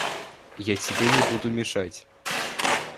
Я тебе не буду мешать.